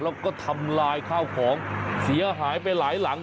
แล้วก็ทำลายข้าวของเสียหายไปหลายหลัง